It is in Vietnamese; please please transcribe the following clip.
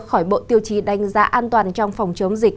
khỏi bộ tiêu chí đánh giá an toàn trong phòng chống dịch